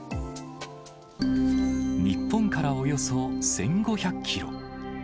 日本からおよそ１５００キロ。